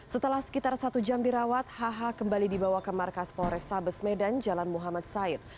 setelah sekitar satu jam dirawat hh kembali dibawa ke markas polrestabes medan jalan muhammad said